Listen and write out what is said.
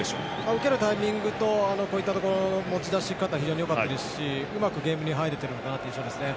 受けるタイミングとこういったところでの持ち出し方非常によかったですしうまくゲームには入れているかなという印象ですね。